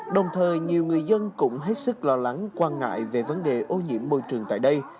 đồng thời nhiều người dân cũng hết sức lo lắng quan ngại về vấn đề ô nhiễm môi trường tại đây